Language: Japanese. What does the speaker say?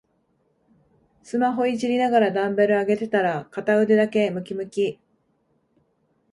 スマホいじりながらダンベル上げてたら片腕だけムキムキ